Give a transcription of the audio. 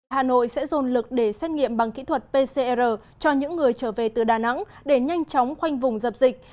hà nội sẽ dồn lực để xét nghiệm bằng kỹ thuật pcr cho những người trở về từ đà nẵng để nhanh chóng khoanh vùng dập dịch